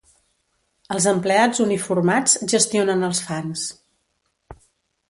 Els empleats uniformats gestionen els fans.